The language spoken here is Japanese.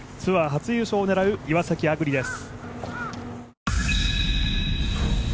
ツアー初優勝を狙う岩崎亜久竜です。